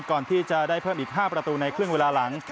ก่อนที่จะได้เพิ่มอีก๕ประตูในครึ่งเวลาหลัง